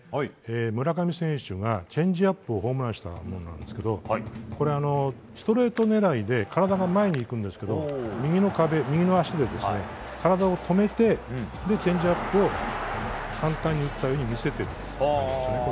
村上選手がチェンジアップをホームランしたものなんですけどストレート狙いで体が前にいくんですけど右の足で体を止めてチェンジアップを簡単に打ったように見せているんですね。